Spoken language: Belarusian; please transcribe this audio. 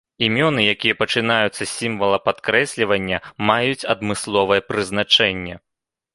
Імёны, якія пачынаюцца з сімвала падкрэслівання, маюць адмысловае прызначэнне.